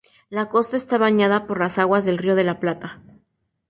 La costa está bañada por las aguas del Río de la Plata.